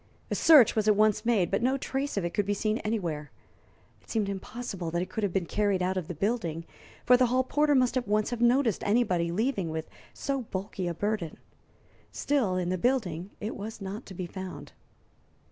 A search was at once made, but no trace of it could be seen anywhere. It seemed impossible that it could have been carried out of the building, for the hall porter must at once have noticed anybody leaving with so bulky a burden. Still, in the building it was not to be found.